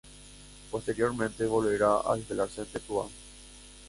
Posteriormente, volverá a instalarse en Tetuán.